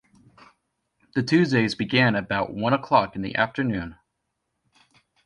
The Tuesdays began about one o'clock in the afternoon.